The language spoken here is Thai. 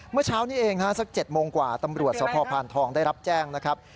เมื่อเช้านี้เองฮะสัก๗โมงกว่าตำรวจสพพานทองได้รับแจ้งนะครับ